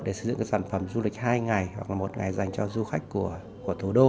để xây dựng sản phẩm du lịch hai ngày hoặc là một ngày dành cho du khách của thủ đô